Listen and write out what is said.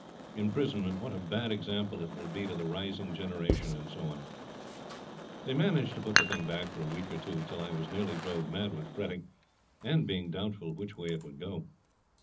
imprisonment, what a bad example it will be to the rising generation, and so on. They managed to put the thing back for a week or two till I was nearly drove mad with fretting, and being doubtful which way it would go.